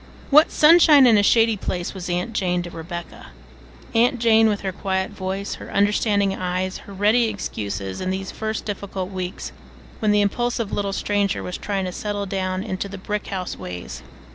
What sunshine in a shady place was aunt Jane to Rebecca! Aunt Jane with her quiet voice, her understanding eyes, her ready excuses, in these first difficult weeks, when the impulsive little stranger was trying to settle down into the "brick house ways."